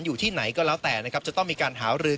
อยู่ที่ไหนก็แล้วแต่นะครับจะต้องมีการหารือ